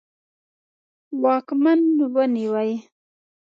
واکمن ونیوی.